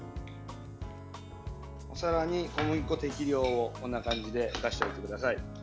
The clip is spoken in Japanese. お皿に小麦粉を適量こんな感じで出しておいてください。